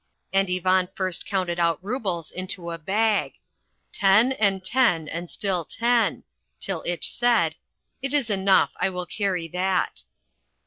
And Ivan first counted out rubles into a bag, "ten, and ten and still ten," till Itch said, "It is enough. I will carry that."